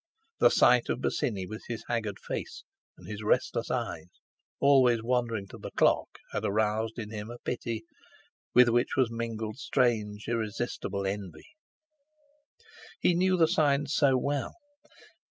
The sight of Bosinney, with his haggard face, and his restless eyes always wandering to the clock, had roused in him a pity, with which was mingled strange, irresistible envy. He knew the signs so well.